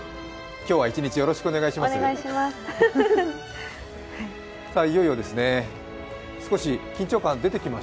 今日は一日よろしくお願いします。